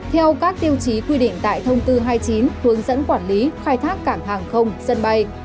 theo các tiêu chí quy định tại thông tư hai mươi chín hướng dẫn quản lý khai thác cảng hàng không sân bay